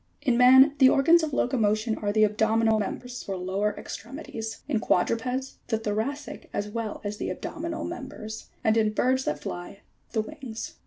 88. In man the organs of locomotion are the abdominal mem bers, or lower extremities; in quadrupeds the thoracic as well as the abdominal members ; and in birds that fly, the wings.